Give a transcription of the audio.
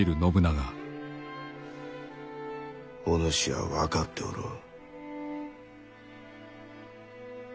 お主は分かっておろう？